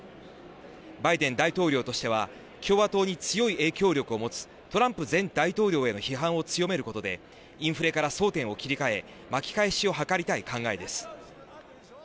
バイデン大統領としては共和党に強い影響力を持つトランプ前大統領への批判を強めることでインフレから争点を切り替え巻き返しを図りたい考えです。